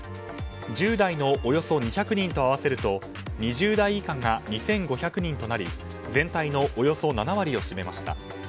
１０代のおよそ２００人と合わせると２０代以下が２５００人となり全体のおよそ７割を占めました。